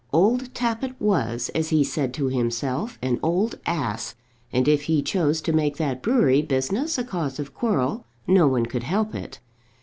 Old Tappitt was, as he said to himself, an old ass, and if he chose to make that brewery business a cause of quarrel no one could help it.